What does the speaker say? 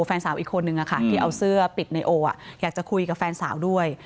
แฟนสาวอีกคนนึงที่เอาเสื้อปิดในโออยากจะคุยกับแฟนสาวด้วย